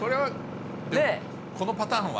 このパターンは。